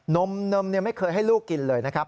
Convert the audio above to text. นมไม่เคยให้ลูกกินเลยนะครับ